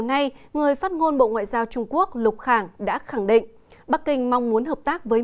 hôm nay phát ngôn bộ ngoại giao trung quốc lục khang đã khẳng định bắc kinh mong muốn hợp tác với